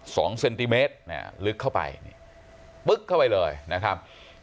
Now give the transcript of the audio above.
สองเซนติเมตรลึกเข้าไปเนี่ยผึ๊บเข้าไปเลยนะครับ